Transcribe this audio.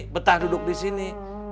betah duduk disini